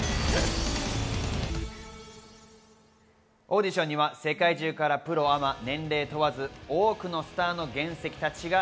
オーディションには世界中からプロアマ年齢問わず、多くのスターたちが。